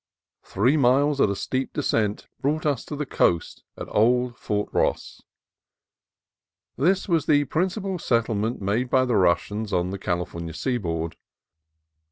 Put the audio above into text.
Three miles at a steep descent brought us to the coast at Old Fort Ross. This was the principal set tlement made by the Russians on the California sea board.